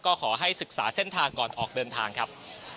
ก็ขอให้ศึกษาเส้นทางก่อนออกเดินทางครับ